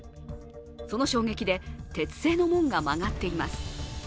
その衝撃で鉄製の門が曲がっています。